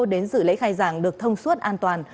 đến dự lễ khai giảng được thông suốt an toàn